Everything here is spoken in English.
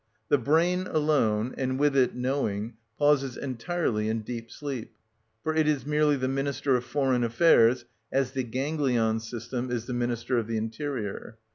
The brain alone, and with it knowing, pauses entirely in deep sleep. For it is merely the minister of foreign affairs, as the ganglion system is the minister of the interior.